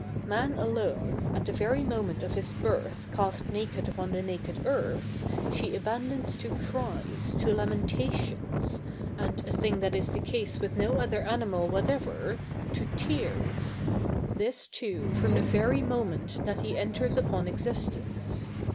Man alone, at the very moment of his birth cast naked upon the naked earth, she abandons to cries, to lamentations, and, a thing that is the case with no other animal whatever, to tears: this, too, from the very moment that he enters upon existence.